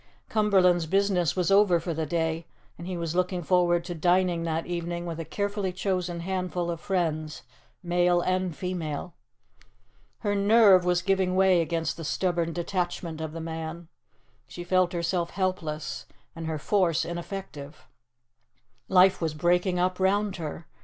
Cumberland's business was over for the day, and he was looking forward to dining that evening with a carefully chosen handful of friends, male and female. Her nerve was giving way against the stubborn detachment of the man. She felt herself helpless, and her force ineffective. Life was breaking up round her.